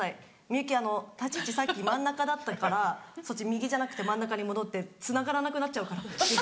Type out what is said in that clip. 幸立ち位置さっき真ん中だったから右じゃなくて真ん中に戻ってつながらなくなっちゃうから」。